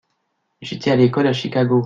J’ai été à l’école à Chicago.